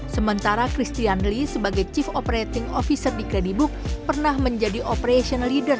sementara christian lee sebagai chief operating officer di credibook pernah menjadi operation leader